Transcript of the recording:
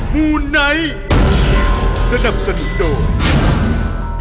มูไนท์สนับสนุนโดย